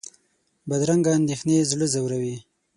بدرنګه اندېښنې زړه ځوروي